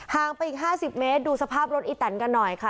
ห่างไปอีกห้าสิบเมตรดูสภาพรถอีแตนกันหน่อยค่ะ